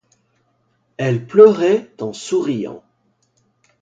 Elle pleurait en souriant.